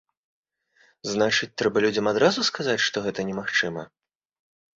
Значыць, трэба людзям адразу сказаць, што гэта немагчыма?